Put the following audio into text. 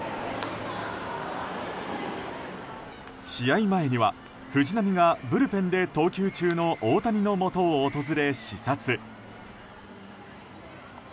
試合前には藤浪がブルペンで投球中の大谷のもとを訪れ、視察。